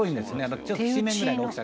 「きしめんぐらいの大きさ」